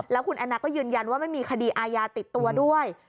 แล้วคุณแอนนาก็ยืนยันว่าไม่มีคดีอาญาติดตัวด้วย